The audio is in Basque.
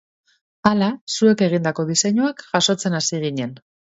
Hala, zuek egindako diseinuak jasotzen hasi ginen.